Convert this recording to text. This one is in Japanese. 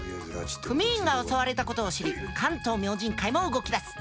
組員が襲われたことを知り関東明神会も動きだす。